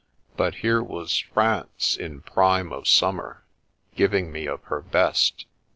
But here was France in prime of summer, giving nie of her best.